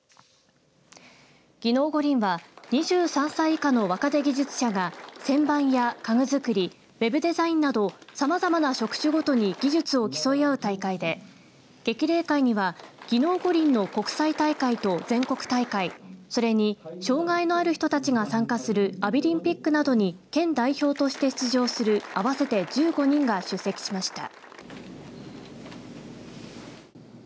技能五輪は２３歳以下の若手技術者が旋盤や家具づくりウェブデザインなどさまざまな職種ごとに技術競い合う大会で、激励会には技能五輪の国際大会と全国大会それに障害のある人たちが参加するアビリンピックなどに県代表として出場する合わせて１５人が出席しました。